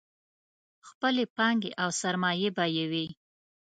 خپلې پانګې او سرمایې به یې وې.